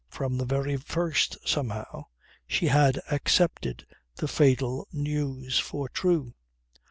From the very first, somehow, she had accepted the fatal news for true.